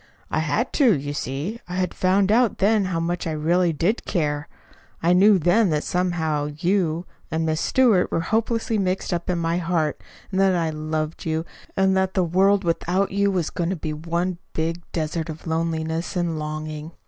"I had to, you see. I had found out then how much I really did care. I knew then that somehow you and Miss Stewart were hopelessly mixed up in my heart, and that I loved you, and that the world without you was going to be one big desert of loneliness and longing.